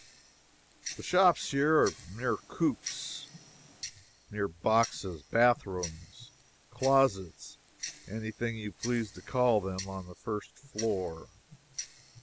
The shops here are mere coops, mere boxes, bath rooms, closets any thing you please to call them on the first floor.